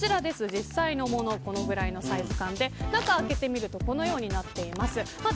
実際のものがこれぐらいのサイズ感で中は、このようになっています。